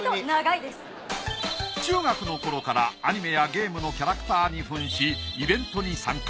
中学の頃からアニメやゲームのキャラクターにふんしイベントに参加。